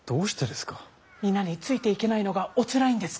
皆についていけないのがおつらいんですか？